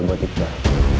kumbal buat iqbal